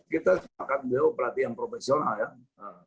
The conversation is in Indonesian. kita sepakat beo pelatihan profesional ya